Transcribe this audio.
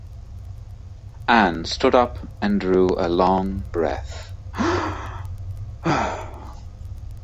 Ann stood up and drew a long breath.